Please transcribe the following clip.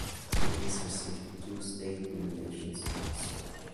He has received two state nominations also.